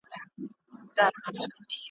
ما نۀ وې چې دا یو سړے پۀ ښار کښې د شانګلې دے!